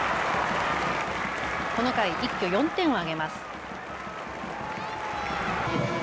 この回、一挙４点を挙げます。